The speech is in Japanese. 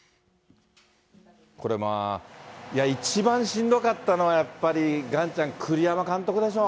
これまあ、一番しんどかったのは、やっぱり岩ちゃん、栗山監督でしょう。